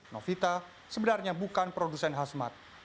novita sebenarnya bukan produsen hasmat